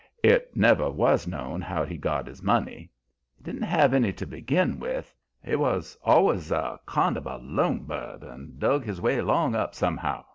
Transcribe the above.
It never was known how he'd got his money. He didn't have any to begin with. He was always a kind of a lone bird and dug his way along up somehow.